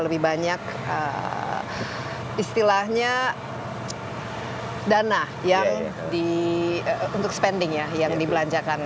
lebih banyak istilahnya dana yang untuk spending ya yang dibelanjakan